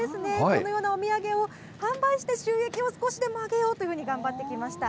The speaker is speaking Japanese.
このようなお土産を販売して収益を少しでも上げようというふうに頑張ってきました。